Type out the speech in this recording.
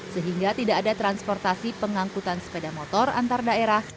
sehingga tidak ada transportasi pengangkutan sepeda motor antar daerah